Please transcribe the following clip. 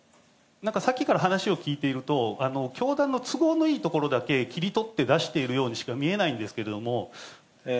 なんか、さっきから話を聞いていると、教団の都合のいいところだけ切り取って出しているようにしか見えないんですけれども。